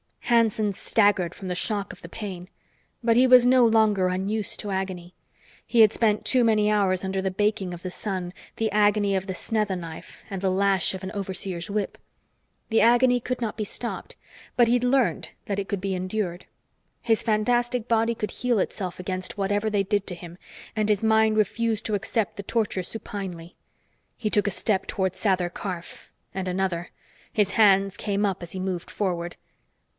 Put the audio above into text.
Hanson staggered from the shock of the pain, but he was no longer unused to agony. He had spent too many hours under the baking of the sun, the agony of the snetha knife and the lash of an overseer's whip. The agony could not be stopped, but he'd learned it could be endured. His fantastic body could heal itself against whatever they did to him, and his mind refused to accept the torture supinely. He took a step toward Sather Karf, and another. His hands came up as he moved forward.